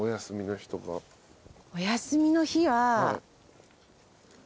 お休みの日は。